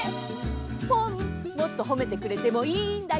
ポンもっとほめてくれてもいいんだよ。